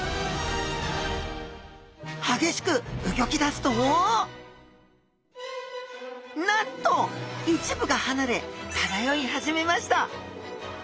激しくうギョき出すとなんと一部がはなれ漂い始めました！